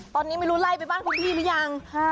ตอนนี้ไม่รู้ไล่ไปบ้านคุณพี่หรือยัง